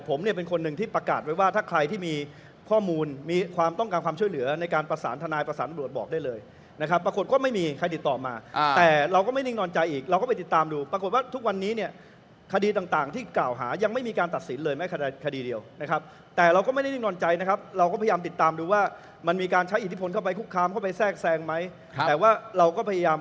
ผมเนี่ยเป็นคนหนึ่งที่ประกาศไว้ว่าถ้าใครที่มีข้อมูลมีความต้องการความช่วยเหลือในการประสานทนายประสานบรวจบอกได้เลยนะครับปรากฏก็ไม่มีใครติดต่อมาแต่เราก็ไม่ได้นอนใจอีกเราก็ไปติดตามดูปรากฏว่าทุกวันนี้เนี่ยคดีต่างที่กล่าวหายังไม่มีการตัดสินเลยแม้คดีเดียวนะครับแต่เราก็ไม่ได้นอนใจนะครับเราก็พย